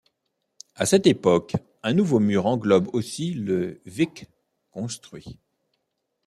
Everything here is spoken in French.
À cette époque, un nouveau mur englobe aussi le Wyck construit.